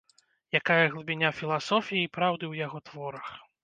Якая глыбіня філасофіі і праўды ў яго творах.